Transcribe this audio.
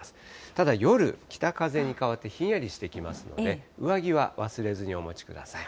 ただ夜、北風に変わってひんやりしてきますので、上着は忘れずにお持ちください。